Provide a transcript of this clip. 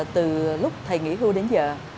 từ lúc thầy nghỉ hưu đến giờ